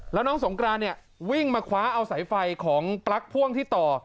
แล้วน้องสงกรานเนี่ยวิ่งมาคว้าเอาสายไฟของปลั๊กพ่วงที่ต่อ